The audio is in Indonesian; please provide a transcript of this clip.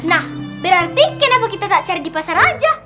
nah berarti kenapa kita gak cari di pasar aja